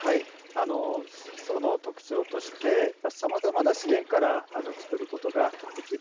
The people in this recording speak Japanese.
あの、水素の特徴としてさまざまな資源から作ることができる。